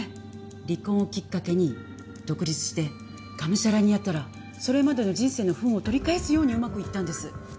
離婚をきっかけに独立してがむしゃらにやったらそれまでの人生の不運を取り返すようにうまくいったんです。